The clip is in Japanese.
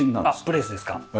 ブレースですか？